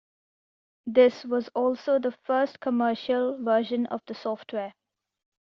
This was also the first commercial version of the software.